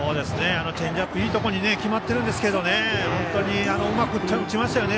チェンジアップがいいところに決まってるんですが本当にうまく打ちましたよね